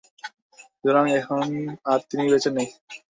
সুতরাং এখন আর তিনি বেঁচে নেই।